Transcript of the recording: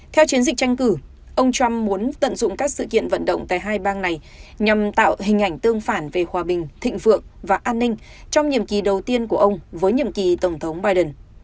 theo chiến dịch tranh cử ông trump muốn tận dụng các sự kiện vận động tại hai bang này nhằm tạo hình ảnh tương phản về hòa bình thịnh vượng và an ninh trong nhiệm kỳ đầu tiên của ông với nhiệm kỳ tổng thống biden